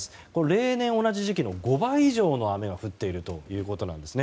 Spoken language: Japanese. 例年の同じ時期の５倍以上の雨が降っているということなんです。